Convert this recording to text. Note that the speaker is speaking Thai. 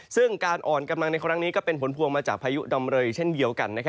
ซึ่งการอ่อนกำลังในครั้งนี้ก็เป็นผลพวงมาจากพายุดำเรยเช่นเดียวกัน